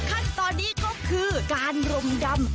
ขั้นตอนนี้ก็คือการรมดำ